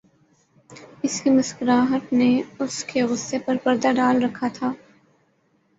اُس کی مسکراہٹ نے اُس کے غصےپر پردہ ڈال رکھا تھا